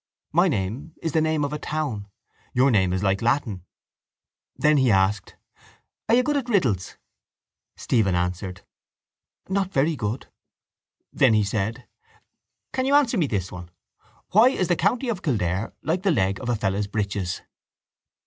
My name is the name of a town. Your name is like Latin. Then he asked: —Are you good at riddles? Stephen answered: —Not very good. Then he said: —Can you answer me this one? Why is the county of Kildare like the leg of a fellow's breeches?